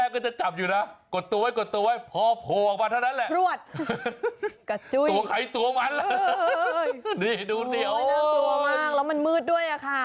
ก็ใช้เวลาอยู่นานนะคุณผู้ชมก็ใช้เวลาอยู่นานนะคุณผู้ชม